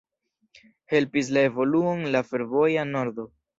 Helpis la evoluon la fervoja nodo.